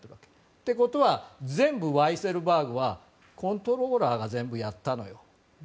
ということは全部ワイセルバーグはコントローラーが全部やったと。